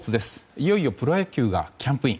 いよいよプロ野球がキャンプイン。